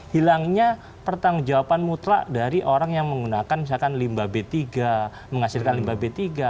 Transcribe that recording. hilangnya pertanggung jawaban mutlak dari orang yang menggunakan misalkan limbah b tiga menghasilkan limbah b tiga